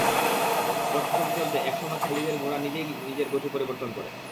পথ চলতে চলতে এক সময় খালিদের ঘোড়া নিজেই নিজের গতি পরিবর্তন করে।